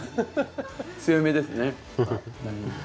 強めですね。